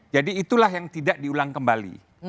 jadi itulah yang tidak diulang kembali